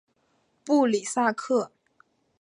布里萨克。